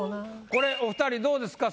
これお２人どうですか？